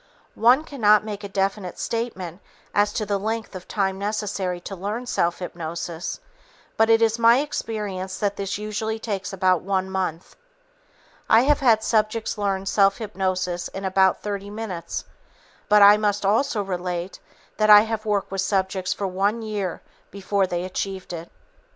One cannot make a definite statement as to the length of time necessary to learn self hypnosis, but it is my experience that this usually takes about one month. I have had subjects learn self hypnosis in about 30 minutes, but I must also relate that I have worked with subjects for one year before they achieved it.